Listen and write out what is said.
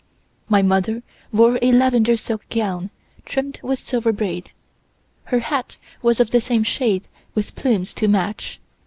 My mother wore a lavender silk gown, trimmed with silver braid, her hat was of the same shade with plumes to match.